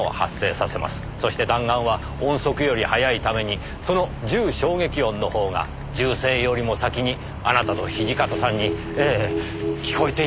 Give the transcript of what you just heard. そして弾丸は音速より速いためにその銃衝撃音の方が銃声よりも先にあなたと土方さんにええ聞こえていたはずなんですよ。